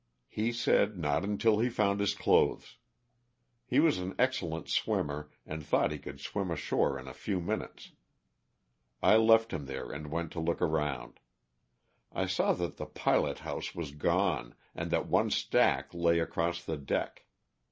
He said not until he found his clothes. He was an excel lent swimmer and thought he could swim ashore in a few minutes. I left him there and went to look around. I saw that the pilot house was gone and that one stack lay across the deck.